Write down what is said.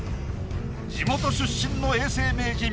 地元出身の永世名人